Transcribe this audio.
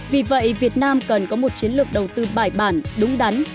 vì vậy việt nam cần có một chiến lược đầu tư bài bản đúng đắn